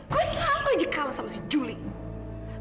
gue selalu aja kalah sama si julie